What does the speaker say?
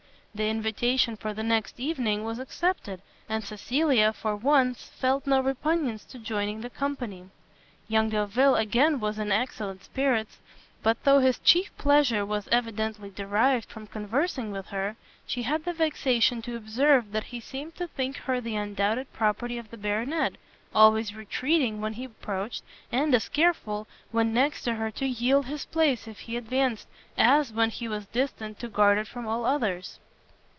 The invitation for the next evening was accepted, and Cecilia, for once, felt no repugnance to joining the company. Young Delvile again was in excellent spirits; but though his chief pleasure was evidently derived from conversing with her, she had the vexation to observe that he seemed to think her the undoubted property of the Baronet, always retreating when he approached, and as careful, when next her, to yield his place if he advanced, as, when he was distant, to guard it from all others.